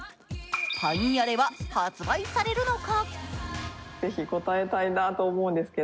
パインアレは発売されるのか？